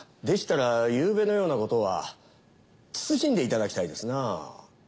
でしたらゆうべのようなことは慎んでいただきたいですな。